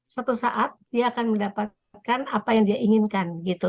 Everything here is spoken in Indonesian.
suatu saat dia akan mendapatkan apa yang dia inginkan gitu